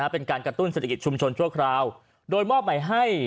เป็นการกระตุ้นเศรษฐกิจชุมชนชั่วคราวโดยมอบหมายให้